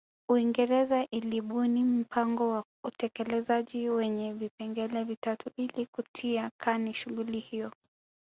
Uingereza ilibuni mpango wa utekelezaji wenye vipengele vitatu ili kutia kani shughuli hiyo